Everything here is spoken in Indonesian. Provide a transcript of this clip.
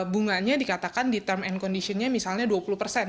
bunganya dikatakan di term and conditionnya misalnya dua puluh persen